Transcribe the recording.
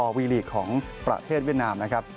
ฟุตบอลวีรีกของประเทศเวียดนามนะครับ